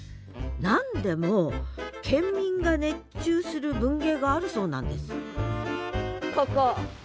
何でも県民が熱中する文芸があるそうなんですここ。